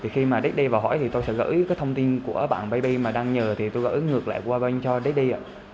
khi daddy vào hỏi tôi sẽ gửi thông tin của bạn baby mà đang nhờ tôi gửi ngược lại qua bên cho daddy